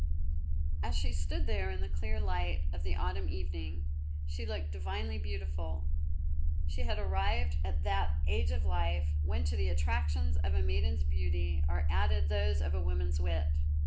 As she stood there in the clear light of the autumn evening, she looked divinely beautiful. She had arrived at that age of life, when to the attractions of a maiden's beauty are added those of a woman's wit.